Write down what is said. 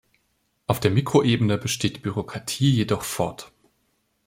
Auf der Mikroebene besteht die Bürokratie jedoch fort.